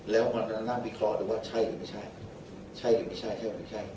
แล้วมันจะนั่งวิเคราะห์ดูว่าใช่หรือไม่ใช่ใช่ใช่หรือไม่ใช่ใช่หรือไม่ใช่